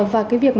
và cái việc